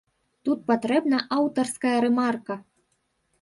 Тут патрэбна аўтарская рэмарка.